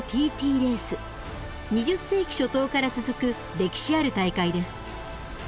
２０世紀初頭から続く歴史ある大会です。